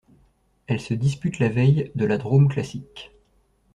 Elle se dispute la veille de la Drôme Classic.